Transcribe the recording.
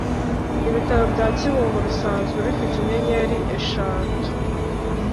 Ibitaro bya Kibungo bisanzwe bifite inyenyeri eshatu